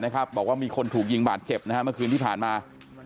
เป็นคนถูกยิงบาดเจ็บเมื่อคืนที่ผ่านมา